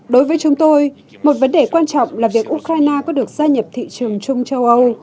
đối với chúng tôi một vấn đề quan trọng là việc ukraine có được gia nhập thị trường chung châu âu